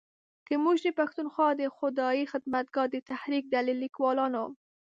که موږ د پښتونخوا د خدایي خدمتګار د تحریک ډلې لیکوالانو